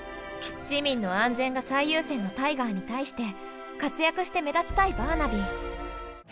市民の安全が最優先のタイガーに対して活躍して目立ちたいバーナビー。